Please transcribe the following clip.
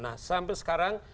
nah sampai sekarang